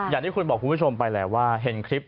อย่างที่คุณบอกคุณผู้ชมไปแหละว่าเห็นคลิป